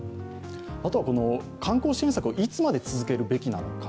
あとは観光支援策をいつまで続けるべきなのか。